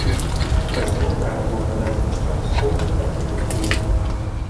Пазней храму быў нададзены статус помніка архітэктуры.